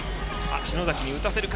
篠崎に打たせる形。